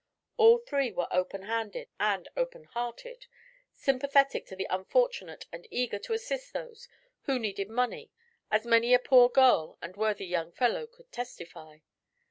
All three were open handed and open hearted, sympathetic to the unfortunate and eager to assist those who needed money, as many a poor girl and worthy young fellow could testify.